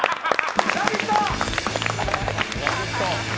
ラヴィット！